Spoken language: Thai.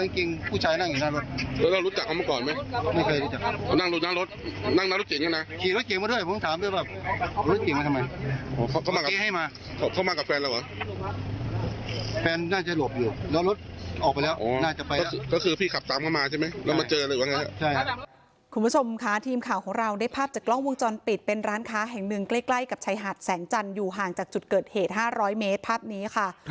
คุณผู้ชมค่ะทีมข่าวของเราได้ภาพจากกล้องวงจรปิดเป็นร้านค้าแห่งหนึ่งใกล้กับชายหาดแสงจันทร์อยู่ห่างจากจุดเกิดเหตุ๕๐๐เมตรภาพนี้ค่ะ